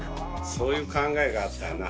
そういう考えがあったんやな